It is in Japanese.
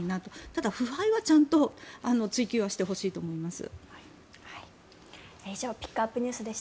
ただ、腐敗はちゃんと追及はしてほしいと思います。